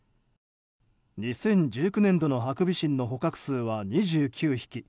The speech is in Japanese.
２０１９年度のハクビシンの捕獲数は２９匹。